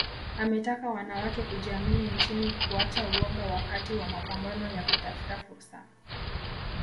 Ametaka wanawake kujiamini nchini kuacha woga wakati wa mapambano ya kutafuta fursa